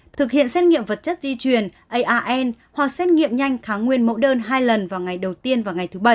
thực hiện xét nghiệm vật chất di truyền aan hoặc xét nghiệm nhanh kháng nguyên mẫu đơn hai lần vào ngày đầu tiên và ngày thứ bảy